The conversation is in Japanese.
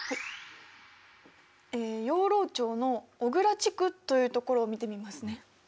養老町の小倉地区というところを見てみますね。